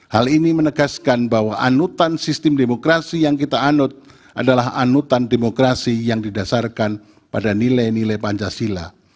hal ini menegaskan bahwa anutan sistem demokrasi yang kita anut adalah anutan demokrasi yang didasarkan pada nilai nilai pancasila